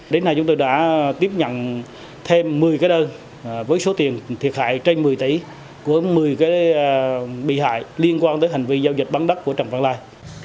đến nay chúng tôi đã tiếp nhận thêm một mươi cái đơn với số tiền thiệt hại trên một mươi tỷ của một mươi cái bị hại liên quan tới hành vi giao dịch bắn đất của trần văn lai